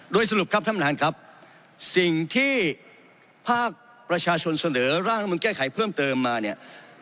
โดยสรุปครับท่านประธานครับสิ่งที่ภาคประชาชนเสนอร่างรัฐมนุนแก้ไขเพิ่มเติมมาเนี่ย